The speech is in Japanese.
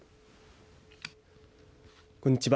こんにちは。